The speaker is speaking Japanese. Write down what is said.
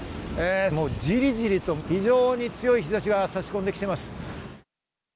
ジリジリと非常に強い日差しが差し込んできています。